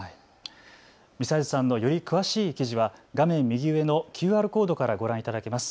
美齊津さんのより詳しい記事は画面右上のＱＲコードからご覧いただけます。